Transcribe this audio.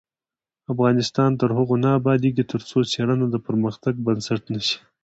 افغانستان تر هغو نه ابادیږي، ترڅو څیړنه د پرمختګ بنسټ نشي.